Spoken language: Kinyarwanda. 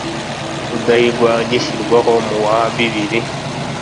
Rudahigwa agishyirwaho mu wa bibiri